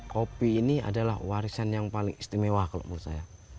kopi ini adalah warisan yang paling istimewa kalau menurut saya